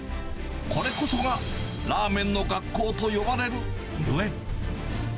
これこそがラーメンの学校と呼ばれるゆえん。